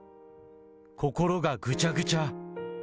心がぐちゃぐちゃ。